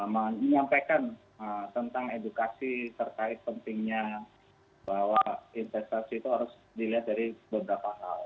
menyampaikan tentang edukasi terkait pentingnya bahwa investasi itu harus dilihat dari beberapa hal